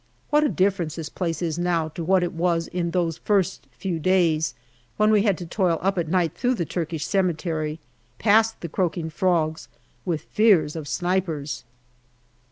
What a difference this place is now to what it was in those first few days, when we had to toil up at night through the Turkish cemetery, past the croaking frogs, with fears of snipers.